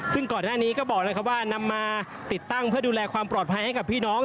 ซึ่งก่อนหน้านี้ก็บอกนะครับว่านำมาติดตั้งเพื่อดูแลความปลอดภัยให้กับพี่น้อง